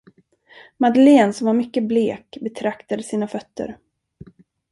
Madeleine, som var mycket blek, betraktade sina fötter.